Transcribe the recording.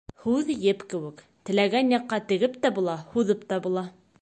Һүҙ еп кеүек: теләгән яҡҡа тегеп тә була, һуҙып та була.